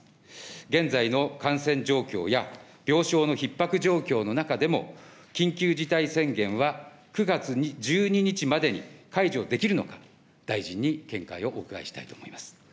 現在の感染状況や病床のひっ迫状況の中でも、緊急事態宣言は９月１２日までに解除できるのか、大臣に見解をお伺いしたいと思います。